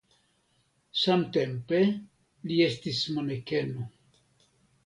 Samtempe li estis manekeno.